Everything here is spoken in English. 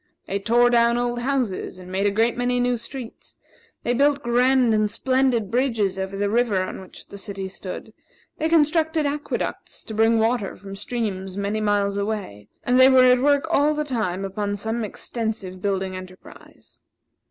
They tore down old houses and made a great many new streets; they built grand and splendid bridges over the river on which the city stood; they constructed aqueducts to bring water from streams many miles away; and they were at work all the time upon some extensive building enterprise.